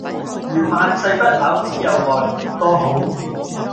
如萬世不朽只有愛多好